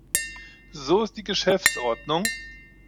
So ist die Geschäftsordnung.